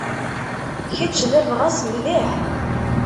Kečč d abɣas mliḥ.